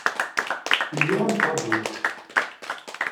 Iyya ad neffeɣ ad d-nečč.